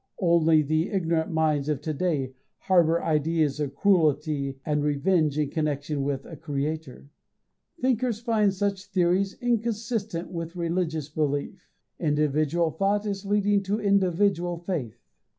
Only the ignorant minds to day harbour ideas of cruelty and revenge in connection with a Creator. Thinkers find such theories inconsistent with religious belief. Individual thought is leading to individual faith.